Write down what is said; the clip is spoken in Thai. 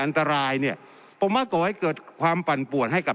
อันตรายเนี่ยผมว่าก่อให้เกิดความปั่นปวดให้กับ